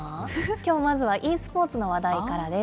きょうまずはｅスポーツの話題からです。